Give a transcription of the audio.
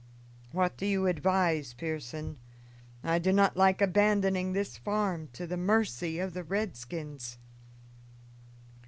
"What do you advise, Pearson? I do not like abandoning this farm to the mercy of the redskins."